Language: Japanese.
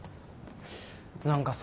何かさ